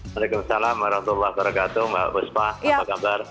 waalaikumsalam warahmatullahi wabarakatuh mbak buspa apa kabar